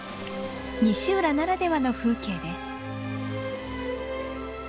西浦ならではの風景です。